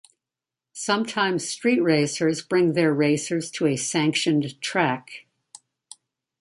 Sometimes street racers bring their racers to a sanctioned track.